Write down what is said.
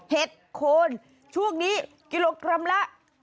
เห็ดโคนช่วงนี้กิโลกรัมละ